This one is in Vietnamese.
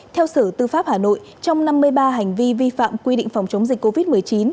theo sở tư pháp hà nội trong năm mươi ba hành vi vi phạm quy địch